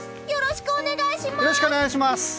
よろしくお願いします！